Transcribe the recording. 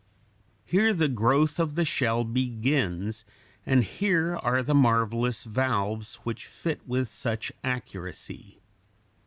Here the growth of the shell begins, and here are the marvelous valves which fit with such accuracy.